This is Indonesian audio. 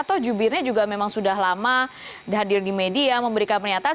atau jubirnya juga memang sudah lama hadir di media memberikan pernyataan